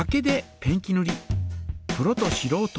プロとしろうと